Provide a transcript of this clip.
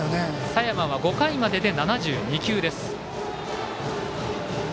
佐山は５回までで７２球です。